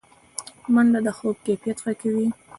منډه د خوب کیفیت ښه کوي